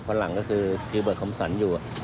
ฝรั่งก็คือคลิเบิร์ดคอมสรรค์อยู่